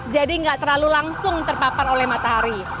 jadi tidak terlalu langsung terpapar oleh matahari